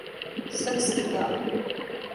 سکسیکا